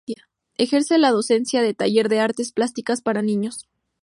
Ejerce la docencia de Taller de Artes Plásticas para niños.